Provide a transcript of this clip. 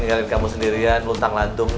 ngeliatin kamu sendirian lu tang lantung itu